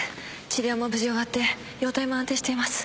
治療も無事終わって容体も安定しています。